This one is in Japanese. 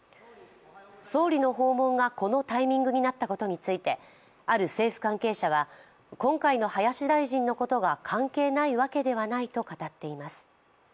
総理の訪問がこのタイミングになったことについてある政府関係者は、今回の林大臣のことは関係ないわけではないと語っています。